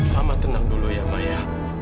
mama tenang dulu ya maya